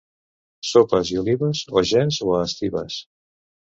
Sopes i olives, o gens o a estibes.